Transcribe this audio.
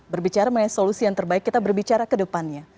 berbicara mengenai solusi yang terbaik kita berbicara ke depannya